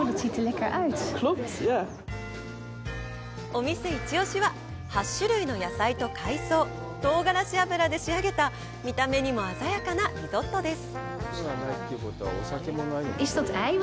お店イチオシは８種類の野菜と海藻唐辛子油で仕上げた見た目にも鮮やかなリゾットです。